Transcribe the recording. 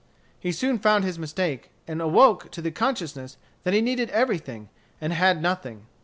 He soon found his mistake, and awoke to the consciousness that he needed everything, and had nothing.